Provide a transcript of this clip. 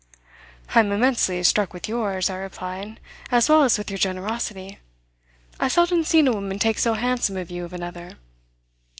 "I'm immensely struck with yours," I replied, "as well as with your generosity. I've seldom seen a woman take so handsome a view of another."